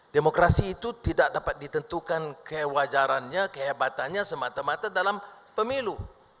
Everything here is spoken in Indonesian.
demokrasi itu tidak dapat ditentukan kewajarannya kehebatannya semata mata dalam pemilu